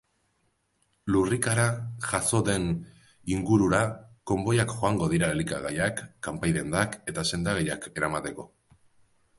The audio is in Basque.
Lurrikara jazo den ingurura konboiak joango dira elikagaiak, kanpai-dendak eta sendagaiak eramateko.